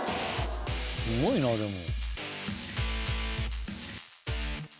すごいなでも。